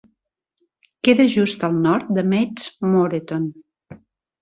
Queda just al nord de Maids Moreton.